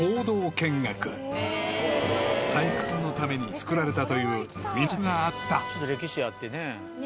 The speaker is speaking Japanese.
［採掘のために造られたという道があった］